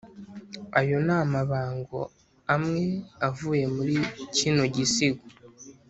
ayo ni amabango amwe avuye muri kino gisigo